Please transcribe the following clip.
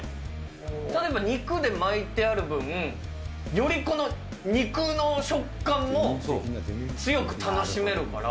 例えば、肉で巻いてある分、よりこの肉の食感も強く楽しめるから。